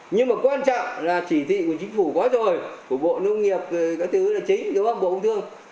nhưng mà quan trọng là chỉ thị của chính phủ có rồi của bộ nông nghiệp cái thứ chính đúng không bộ úng thương